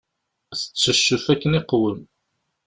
Tetteccef akken iqwem.